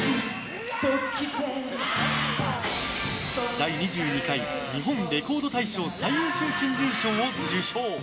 第２２回日本レコード大賞最優秀新人賞を受賞。